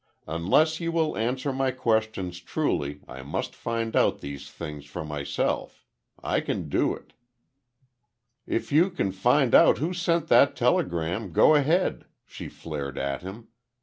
Unless you will answer my questions truly, I must find out these things for myself. I can do it." "If you can find out who sent that telegram, go ahead," she flared at him.